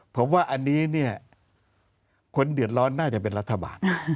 ผมว่าอันนี้เนี่ยคนเดือดร้อนน่าจะเป็นรัฐบาล